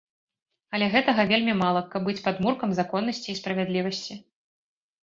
Але гэтага вельмі мала, каб быць падмуркам законнасці і справядлівасці.